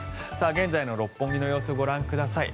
現在の六本木の様子をご覧ください。